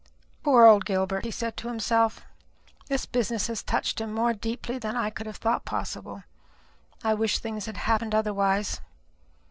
"Poor old Gilbert," he said to himself, "this business has touched him more deeply than I could have thought possible. I wish things had happened otherwise.